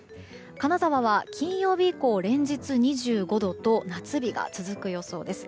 金沢は金曜日以降連日２５度と夏日が続く予想です。